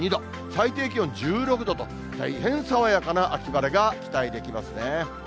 最低気温１６度と、大変爽やかな秋晴れが期待できますね。